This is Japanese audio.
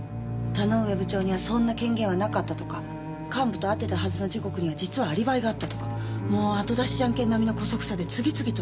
田ノ上部長にはそんな権限はなかったとか幹部と会ってたはずの時刻には実はアリバイがあったとかもう後だしジャンケン並みの姑息さで次々と。